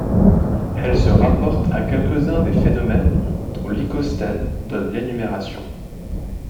Elles se rapportent à quelques-uns des phénomènes dont Lycosthenes donne l’énumération.